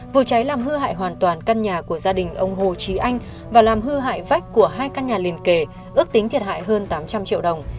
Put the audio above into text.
vụ cháy làm hư hại hoàn toàn căn nhà của gia đình ông hồ trí anh và làm hư hại vách của hai căn nhà liền kề ước tính thiệt hại hơn tám trăm linh triệu đồng